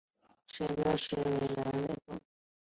车站标识为凤尾。